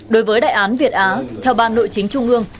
đối với đại án việt á theo ban nội chính trung ương